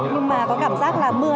nhưng mà có cảm giác là mưa